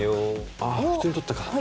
ああ普通に取ったか。